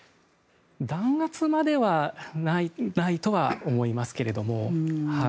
弾圧まではないとは思いますけれども。